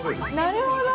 なるほど！